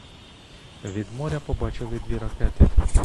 Від моря побачили дві ракети.